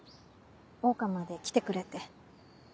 桜花まで来てくれて。